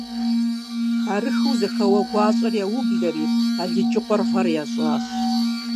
Арыххэу зэхэуэ гуащӏэр яублэри, Алыджыкъуэр гъэр ящӏащ.